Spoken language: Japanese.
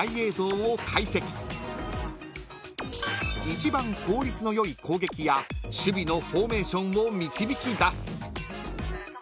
［一番効率の良い攻撃や守備のフォーメーションを導き出す］